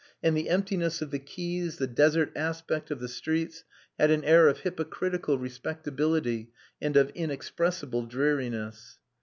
and the emptiness of the quays, the desert aspect of the streets, had an air of hypocritical respectability and of inexpressible dreariness.